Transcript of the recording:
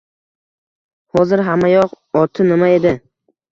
Hozir hammayoq... oti nima edi?